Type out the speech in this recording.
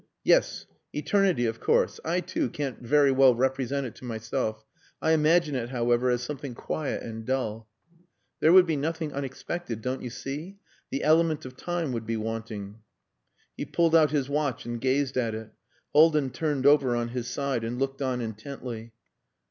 "Yes. Eternity, of course. I, too, can't very well represent it to myself.... I imagine it, however, as something quiet and dull. There would be nothing unexpected don't you see? The element of time would be wanting." He pulled out his watch and gazed at it. Haldin turned over on his side and looked on intently.